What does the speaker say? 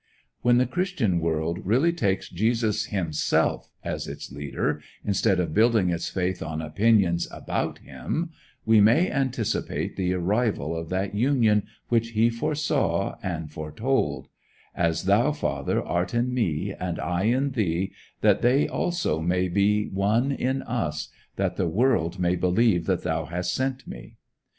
When the Christian world really takes Jesus himself as its leader, instead of building its faith on opinions about him, we may anticipate the arrival of that union which he foresaw and foretold "As thou, father, art in me, and I in thee, that they also may be one in us, that the world may believe that thou hast sent me."